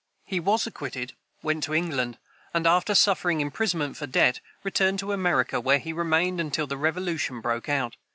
He was acquitted, went to England, and, after suffering imprisonment for debt, returned to America, where he remained until the Revolution broke out.